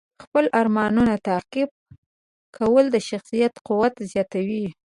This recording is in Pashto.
خپل ارمانونه تعقیب کول د شخصیت قوت زیاتوي.